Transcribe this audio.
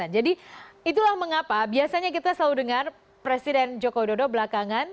jadi itulah mengapa biasanya kita selalu dengar presiden joko widodo belakangan